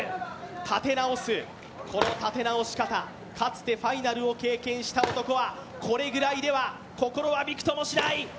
立て直す、この立て直し方、かつてファイナルを経験した男はこれぐらいでは心はびくともしない。